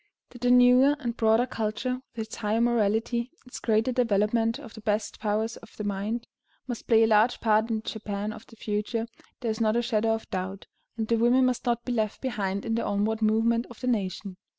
That the newer and broader culture, with its higher morality, its greater development of the best powers of the mind, must play a large part in the Japan of the future, there is not a shadow of doubt, and the women must not be left behind in the onward movement of the nation.